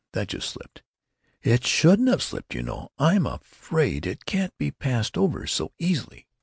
That just slipped." "It shouldn't have slipped, you know. I'm afraid it can't be passed over so easily."